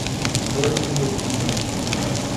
Porto Murtinho